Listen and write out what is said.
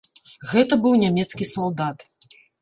Гэта быў нямецкі салдат.